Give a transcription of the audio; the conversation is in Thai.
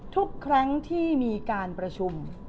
ทุกครั้งที่มีการประชุม